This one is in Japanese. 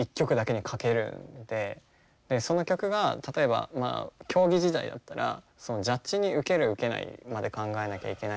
その曲が例えばまあ競技時代だったらジャッジにウケるウケないまで考えなきゃいけないので。